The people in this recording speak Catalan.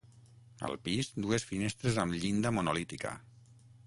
Al pis, dues finestres amb llinda monolítica.